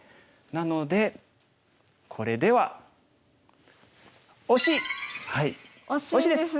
なのでこれでは惜しいですね。